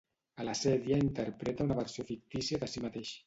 A la sèrie interpreta una versió fictícia de si mateix.